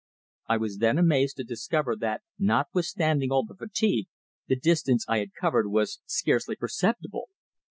I was then amazed to discover that, notwithstanding all the fatigue, the distance I had covered was scarcely perceptible.